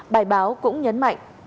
bài báo cũng nhấn mạnh